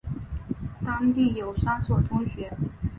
当地有三所中学。